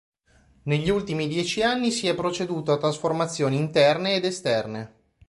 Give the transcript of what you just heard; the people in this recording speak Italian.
Negli ultimi dieci anni si è proceduto a trasformazioni interne ed esterne.